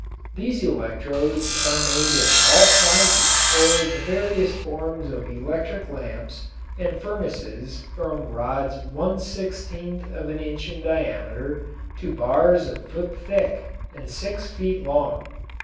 These electrodes are made in all sizes for the various forms of electric lamps and furnaces from rods one sixteenth of an inch in diameter to bars a foot thick and six feet long.